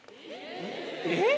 えっ？